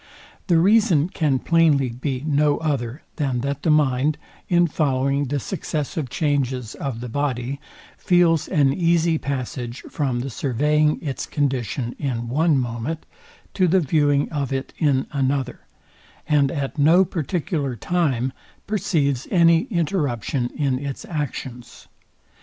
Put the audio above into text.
The reason can plainly be no other, than that the mind, in following the successive changes of the body, feels an easy passage from the surveying its condition in one moment to the viewing of it in another, and at no particular time perceives any interruption in its actions.